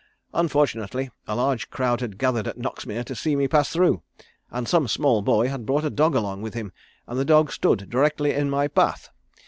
Unfortunately a large crowd had gathered at Noxmere to see me pass through, and some small boy had brought a dog along with him and the dog stood directly in my path.